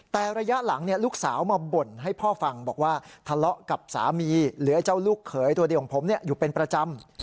แต่ระยะหลังลูกสาวมาบ่นให้พ่อฟังบอกว่าทะเลาะกับสามีเหลือเจ้าลูกเขยตัวเดียวของผมอยู่เป็นประจำ